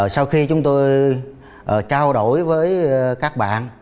sau khi chúng tôi trao đổi với các bạn chúng tôi đã gặp lại các bạn